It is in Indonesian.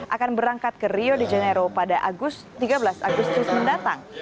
akan berangkat ke rio de janeiro pada tiga belas agustus mendatang